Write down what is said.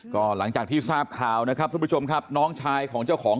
ก็หลังจากที่ทราบข่าวนะครับทุกผู้ชมครับน้องชายของเจ้าของ